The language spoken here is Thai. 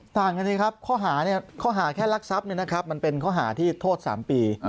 ต่างกันสิครับข้อหาเนี่ยข้อหาแค่ลักทรัพย์เนี่ยนะครับมันเป็นข้อหาที่โทษ๓ปี